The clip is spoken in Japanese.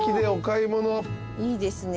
いいですね。